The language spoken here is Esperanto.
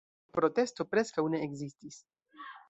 Protesto preskaŭ ne ekzistis.